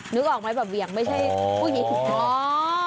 นึกออกไหมแบบเหวี่ยงไม่ใช่ผู้หญิงอ๋อ